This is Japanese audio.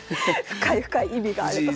深い深い意味があると。